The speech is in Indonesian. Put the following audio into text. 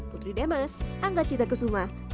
putri demes angga cita kesuma